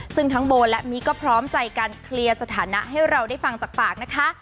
ซึ่งทั้งโบและมิก็พร้อมใจการเคลียร์สถานะให้เราได้ฟังจากปากนะคะ